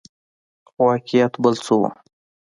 خو واقعیت بل څه وو.